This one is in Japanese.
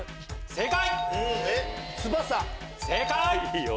正解！